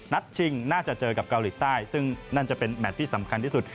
ชิงน่าจะเจอกับเกาหลีใต้ซึ่งนั่นจะเป็นแมทที่สำคัญที่สุด